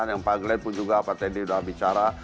yang pak glen pun juga pak teddy sudah bicara